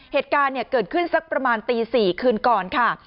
เหตุการณ์เกิดขึ้นสักประมาณตี๔คืนก่อนค่ะ